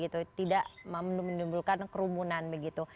tidak menimbulkan kerumunan begitu